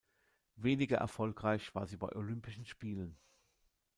Weniger erfolgreich war sie bei Olympischen Spielen.